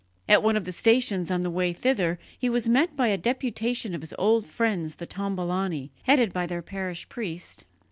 At one of the stations on the way thither he was met by a deputation of his old friends the Tombolani, headed by their parish priest.